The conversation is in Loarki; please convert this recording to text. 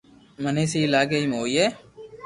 مني سھي لاگي ڪي ايم ھوئي